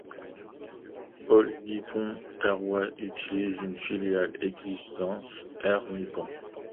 All Nippon Airways utilisait une filiale existante, Air Nippon.